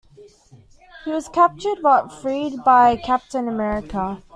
He was captured, but freed by Captain America.